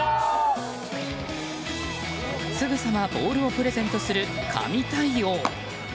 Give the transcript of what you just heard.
すぐさまボールをプレゼントする神対応。